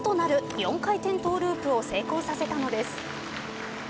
４回転トゥループを成功させたのです。